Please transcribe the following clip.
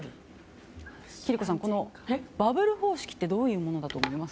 貴理子さん、バブル方式ってどういうものだと思います？